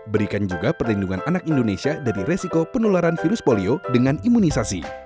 berikan juga perlindungan anak indonesia dari resiko penularan virus polio dengan imunisasi